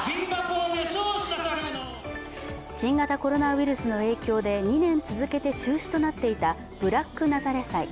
新型コロナウイルスの影響で２年続けて中止となっていたブラックナザレ祭。